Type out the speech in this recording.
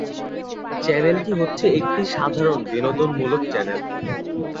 চ্যানেলটি হচ্ছে একটি সাধারণ বিনোদনমূলক চ্যানেল।